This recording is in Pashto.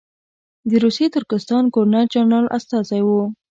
د روسي ترکستان ګورنر جنرال استازی وو.